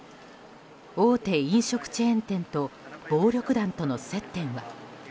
大手飲食チェーン店と暴力団との接点は。